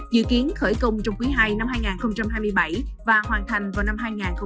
dự kiến khởi công trong quý ii năm hai nghìn hai mươi bảy và hoàn thành vào năm hai nghìn hai mươi năm